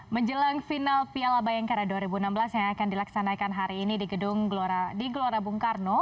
menjelang final piala bayangkara dua ribu enam belas yang akan dilaksanakan hari ini di gedung di gelora bung karno